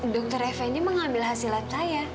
dokter fnd mengambil hasilat saya